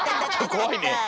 こわいね。